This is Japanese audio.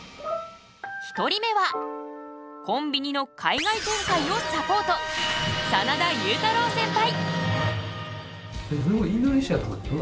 １人目はコンビニの海外展開をサポート眞田悠太郎センパイ。